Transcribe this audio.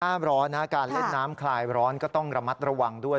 หน้าร้อนนะการเล่นน้ำคลายร้อนก็ต้องระมัดระวังด้วย